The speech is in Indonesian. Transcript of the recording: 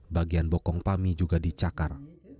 bagian bokong pami juga dicakar